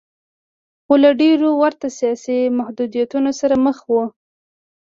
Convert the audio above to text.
خو له ډېرو ورته سیاسي محدودیتونو سره مخ و.